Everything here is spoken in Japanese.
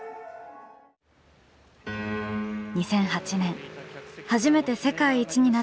２００８年初めて世界一になったときのフリー。